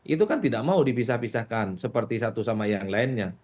itu kan tidak mau dipisah pisahkan seperti satu sama yang lainnya